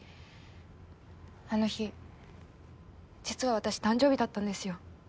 あの日実は私誕生日だったんですよ